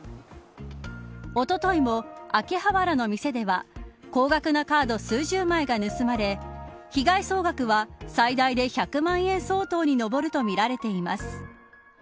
おとといも秋葉原の店では高額なカード、数十枚が盗まれ被害総額は最大で１００万円相当に上るとみられています。